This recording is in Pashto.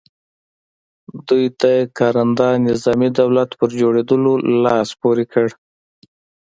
دوی د کارنده نظامي دولت پر جوړولو لاس پ ورې کړ.